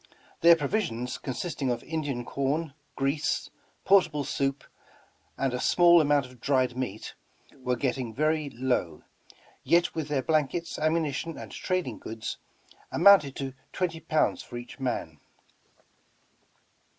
Their provisions, consisting of 186 Over the Rockies Indian corn, grease, portable soup, and a small amount of dried meat, were getting very low, yet with their blankets, ammunition, and trading goods, amounted to twenty pounds for each man.